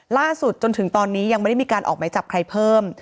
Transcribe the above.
ล่าสุดจนถึงตอนนี้ยังไม่ได้มีการออกไหมจับใครเพิ่ม